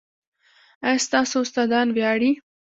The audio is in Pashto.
ایا ستاسو استادان ویاړي؟